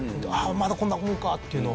まだこんなもんかっていうのを。